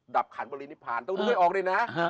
ับขันบรินิพานต้องดูให้ออกด้วยนะ